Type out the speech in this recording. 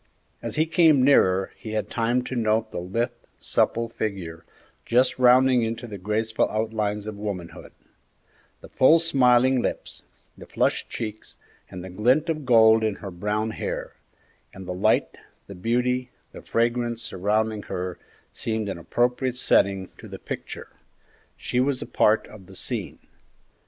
As he came nearer, he had time to note the lithe, supple figure, just rounding into the graceful outlines of womanhood; the full, smiling lips, the flushed cheeks, and the glint of gold in her brown hair; and the light, the beauty, the fragrance surrounding her seemed an appropriate setting to the picture. She was a part of the scene.